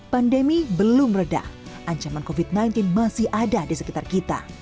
pandemi belum reda ancaman covid sembilan belas masih ada di sekitar kita